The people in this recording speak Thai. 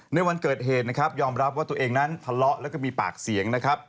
ในวันเกิดเหตุนะครับยอมรับว่าตัวเองนั้นทะเลาะแล้วก็มีปากเสียงนะครับ